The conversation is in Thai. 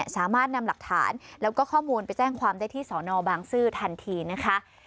สามารถนำหลักฐานแล้วก็ข้อมูลไปแจ้งความได้ที่สอนอบางซื่อทันทีนะคะ